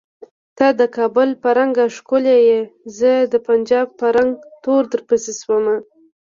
ته د کابل په رنګه ښکولیه زه د پنجاب په رنګ تور درپسې شومه